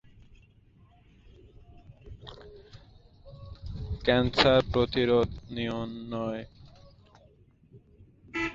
Cancer প্রতিরোধ, নির্ণয়, চিকিৎসা ও গবেষণার জাতীয় প্রতিষ্ঠানটি এখন দেশের সব ক্যান্সার আক্রান্ত রোগীর আশা-আকাঙ্খার কেন্দ্র।